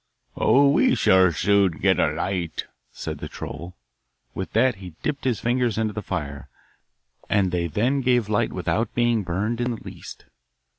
'Oh, we shall soon get a light,' said the troll. With that he dipped his fingers into the fire, and they then gave light without being burned in the least.